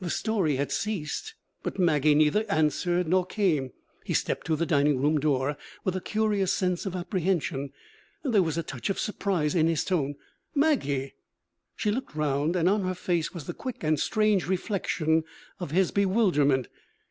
The story had ceased, but Maggie neither answered nor came. He stepped to the dining room door with a curious sense of apprehension. There was a touch of surprise in his tone. 'Maggie!' She looked round and on her face was the quick and strange reflection of his bewilderment.